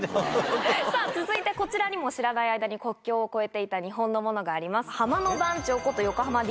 さぁ続いてこちらにも知らない間に国境を超えていた日本のものがあります。